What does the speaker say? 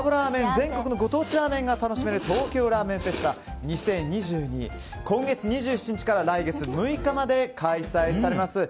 全国のご当地ラーメンが楽しめる東京ラーメンフェスタ２０２２は今月２７日から来月６日まで開催されます。